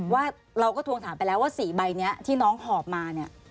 ว่าเราก็ทวงถามไปแล้วว่า๔ใบนี้ที่น้องหอบมาเนี่ย